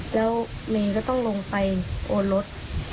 แล้วเมย์ก็ต้องลงไปโอนรถ